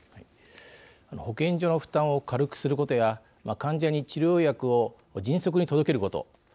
保健所の負担を軽くすることや患者に治療薬を迅速に届けること。